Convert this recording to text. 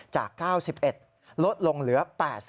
จาก๙๑ลดลงเหลือ๘๐